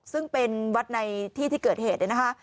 ซึ่งเป็นวัดในที่ที่เกิดเหตุเนี่ยนะคะ